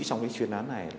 trong cái chuyên án này